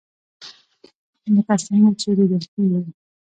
لکه څنګه چې ليدل کېږي